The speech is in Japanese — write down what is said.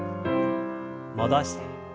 戻して。